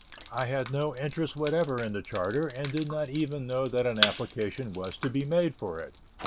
I had no interest whatever in the charter, and did not even know that an application was to be made for it.